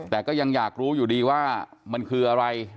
แต่ก็ยังอยากรู้อยู่ดีว่ามันคืออะไร